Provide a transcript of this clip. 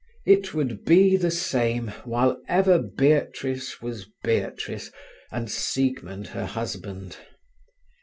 It would be the same, while ever Beatrice was Beatrice and Siegmund her husband.